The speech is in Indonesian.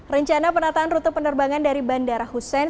rencana penataan rute penerbangan dari bandara hussein